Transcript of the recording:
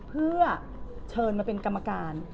เพื่อเชิญมาเป็นกรรมการ